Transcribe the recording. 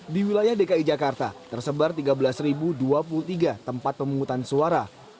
di wilayah dki jakarta tersebar tiga belas dua puluh tiga tempat pemungutan suara